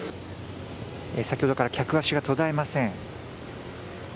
先ほどから客足が途絶えません。